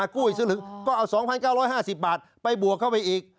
กู้อีกสลึงก็เอา๒๙๕๐บาทไปบวกเข้าไปอีก